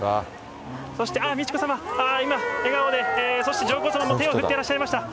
そして、美智子さま、あー、今、笑顔で、そして、上皇さまも手を振っていらっしゃいました。